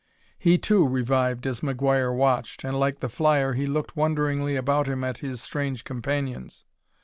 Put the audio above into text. He, too, revived as McGuire watched, and, like the flyer, he looked wonderingly about him at his strange companions.